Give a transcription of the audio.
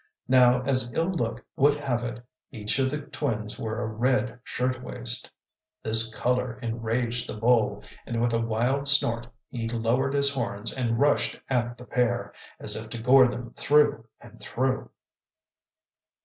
Now as ill luck would have it, each of the twins wore a red shirt waist. This color enraged the bull, and with a wild snort, he lowered his horns and rushed at the pair, as if to gore them through and through.